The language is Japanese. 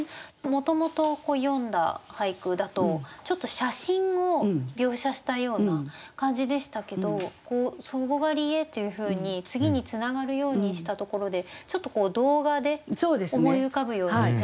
もともと詠んだ俳句だとちょっと写真を描写したような感じでしたけどこう「祖母がりへ」というふうに次につながるようにしたところでちょっとこう動画で思い浮かぶようになりました。